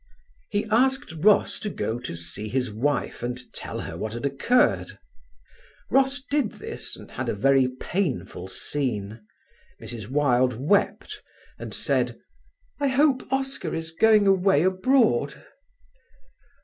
He asked Ross to go to see his wife and tell her what had occurred. Ross did this and had a very painful scene: Mrs. Wilde wept and said, "I hope Oscar is going away abroad."